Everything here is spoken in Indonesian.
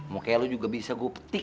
mau kayak lo juga bisa gue petik